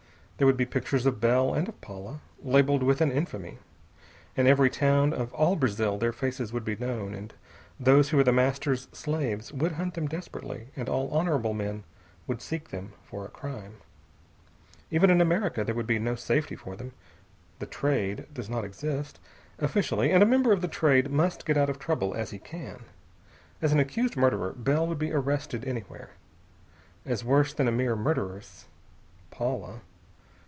There would be pictures of Bell and of Paula, labeled with an infamy. In every town of all Brazil their faces would be known, and those who were The Master's slaves would hunt them desperately, and all honorable men would seek them for a crime. Even in America there would be no safety for them. The Trade does not exist, officially, and a member of the Trade must get out of trouble as he can. As an accused murderer, Bell would be arrested anywhere. As worse than a mere murderess, Paula....